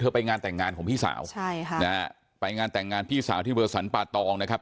ไปงานแต่งงานของพี่สาวใช่ค่ะนะฮะไปงานแต่งงานพี่สาวที่เบอร์สันป่าตองนะครับ